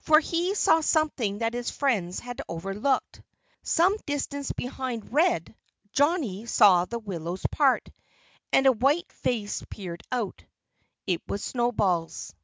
For he saw something that his friends had overlooked. Some distance behind Red Johnnie saw the willows part. And a white face peered out. It was Snowball's.